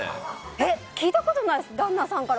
え、聞いたことないです。